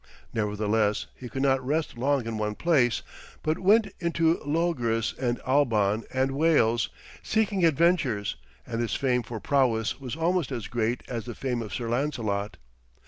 Nevertheless, he could not rest long in one place, but went into Logres and Alban and Wales, seeking adventures, and his fame for prowess was almost as great as the fame of Sir Lancelot.